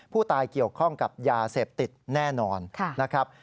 เกี่ยวข้องกับยาเสพติดแน่นอนนะครับ